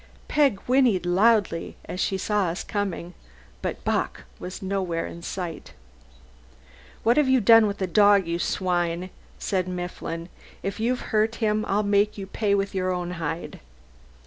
Peg whinneyed loudly as she saw us coming, but Bock was not in sight. "What have you done with the dog, you swine?" said Mifflin. "If you've hurt him I'll make you pay with your own hide."